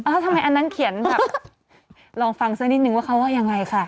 ทำไมอันนั้นเขียนแบบลองฟังซะนิดนึงว่าเขาว่ายังไงค่ะ